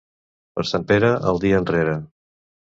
Per Sant Pere, el dia enrere.